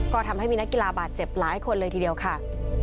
ก็ทำให้มีนักกีฬาบาดเจ็บหลายคนเลยทีเดียวค่ะ